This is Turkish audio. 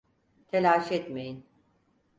Telaş etmeyin…